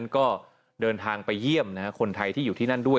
ก็เดินทางไปเยี่ยมคนไทยที่อยู่ที่นั่นด้วย